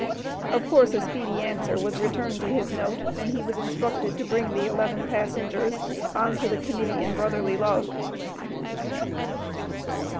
Of course a speedy answer was returned to his note, and he was instructed to bring the eleven passengers on to the Committee in Brotherly Love.